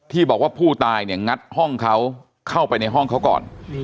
ที่บอกว่าผู้ตายเนี่ยงัดห้องเขาเข้าไปในห้องเขาก่อน